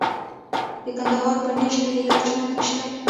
د کندهار په نیش کې د ګچ نښې شته.